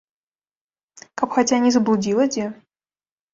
Каб хаця не заблудзіла дзе?